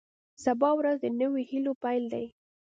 سبا ورځ د نویو هیلو پیل دی.